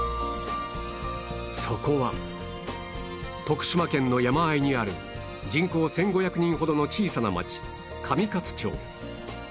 そこは徳島県の山あいにある人口１５００人ほどの小さな町上勝町